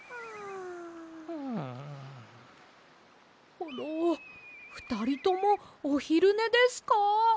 コロふたりともおひるねですか？